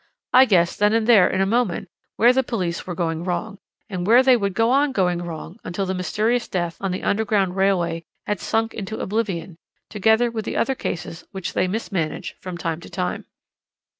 "I guessed then and there in a moment where the police were going wrong, and where they would go on going wrong until the mysterious death on the Underground Railway had sunk into oblivion, together with the other cases which they mismanage from time to time.